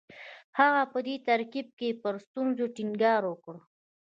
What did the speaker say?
هغه په دې ترکیب کې پر ستونزو ټینګار وکړ